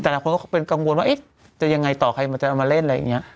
หลายคนก็เป็นกังวลว่าจะยังไงต่อใครมันจะเอามาเล่นอะไรอย่างนี้